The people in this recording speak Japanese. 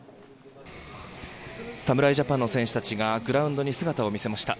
侍ジャパンの選手たちがグラウンドに姿を見せました。